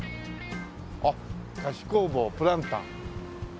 あっ「菓子工房プランタン」。